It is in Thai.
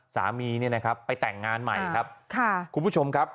สามีไปแต่งงานใหม่ครับคุณผู้ชมครับ